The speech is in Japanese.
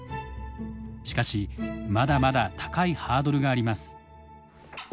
しかしまだまだ高いハードルがあります。